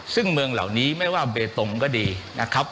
ซึ่งเมืองเหล่านี้ไม่ได้ว่าเบตงก็ดีนะครับ